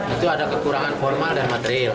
itu ada kekurangan formal dan material